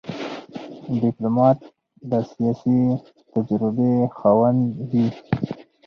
ډيپلومات د سیاسي تجربې خاوند وي.